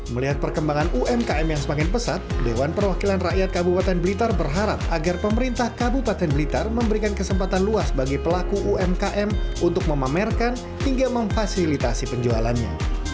melihat perkembangan umkm yang semakin pesat dewan perwakilan rakyat kabupaten blitar berharap agar pemerintah kabupaten blitar memberikan kesempatan luas bagi pelaku umkm untuk memamerkan hingga memfasilitasi penjualannya